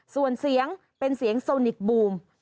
ส่วนเสียงเป็นเสียงโซนิกบูม